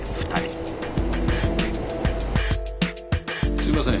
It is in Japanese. すいません